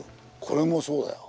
これもそうだよ。